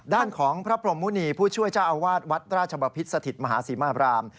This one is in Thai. ด้านของพระพรมมุณีผู้ช่วยเจ้าอาวาสวัดราชบพิษสถิตมหาศรีมาบราม